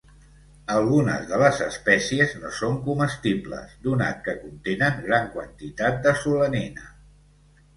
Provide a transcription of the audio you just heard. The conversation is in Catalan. Algunes de les espècies no són comestibles donat que contenen gran quantitat de solanina.